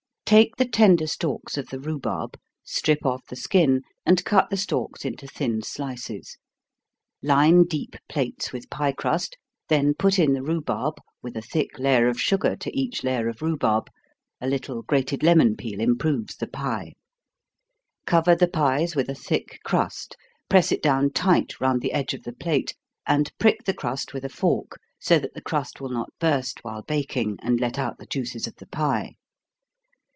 _ Take the tender stalks of the rhubarb, strip off the skin, and cut the stalks into thin slices. Line deep plates with pie crust, then put in the rhubarb, with a thick layer of sugar to each layer of rhubarb a little grated lemon peel improves the pie. Cover the pies with a thick crust press it down tight round the edge of the plate, and prick the crust with a fork, so that the crust will not burst while baking, and let out the juices of the pie.